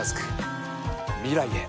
未来へ。